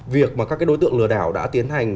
việc mà các đối tượng lừa đảo đã tiến hành